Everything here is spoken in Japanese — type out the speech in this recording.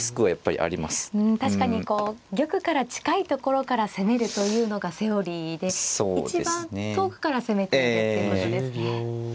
うん確かに玉から近いところから攻めるというのがセオリーで一番遠くから攻めているってことですね。